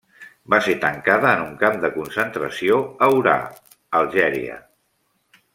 Va ser tancada en un camp de concentració a Orà, Algèria.